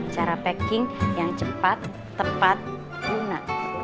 cara packing yang cepat tepat guna